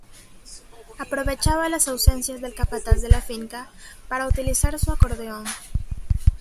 Aprovechaba las ausencias del capataz de la finca para utilizar su acordeón.